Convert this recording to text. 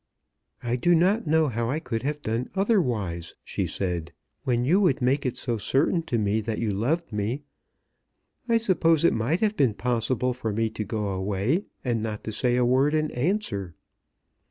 "I do not know how I could have done otherwise," she said, "when you would make it so certain to me that you loved me. I suppose it might have been possible for me to go away, and not to say a word in answer."